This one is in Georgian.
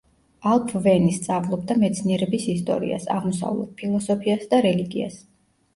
ალფვენი სწავლობდა მეცნიერების ისტორიას, აღმოსავლურ ფილოსოფიას და რელიგიას.